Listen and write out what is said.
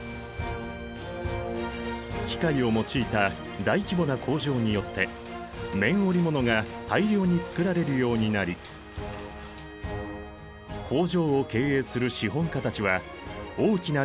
機械を用いた大規模な工場によって綿織物が大量に作られるようになり工場を経営する資本家たちは大きな収益をあげた。